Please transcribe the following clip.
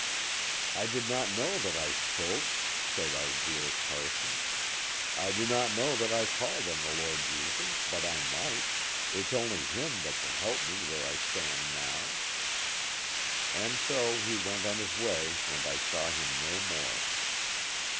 "I did not know that I spoke," said our dear Carson. "I do not know that I called on the Lord Jesus, but I might it's only Him that can help me where I stand now." "And so he went on his way and I saw him no more."